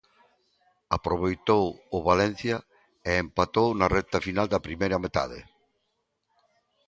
Aproveitou o Valencia e empatou na recta final da primeira metade.